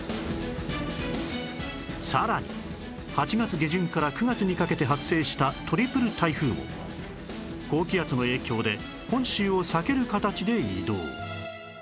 さらに８月下旬から９月にかけて発生したトリプル台風も高気圧の影響で本州を避ける形で移動